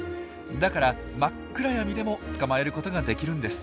だから真っ暗闇でも捕まえることができるんです。